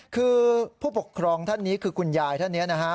คือผู้ปกครองท่านนี้คือคุณยายท่านนี้นะฮะ